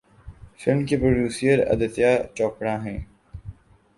Film کے producer Aditya Chopra ہیں۔